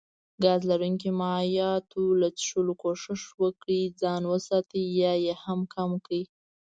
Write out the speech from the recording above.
ګاز لرونکو مايعاتو له څښلو کوښښ وکړي ځان وساتي يا يي هم کم کړي